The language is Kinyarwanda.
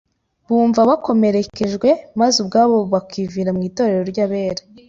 Bumva bakomerekejwe, maze ubwabo bakivana mu iteraniro ry’abera.